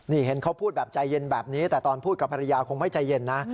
นี่เห็นเขาพูดแบบใจเย็นแบบนี้แต่ตอนพูดกับภรรยาคงไม่ใจเย็นนะ